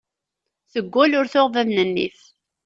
Teggul ur tuɣ bab n nnif.